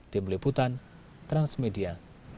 tim liputan transmedia